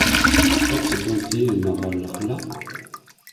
Ad teddumt yid-neɣ ɣer lexla?